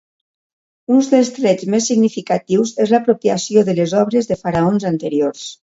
Un dels trets més significatius és l'apropiació de les obres de faraons anteriors.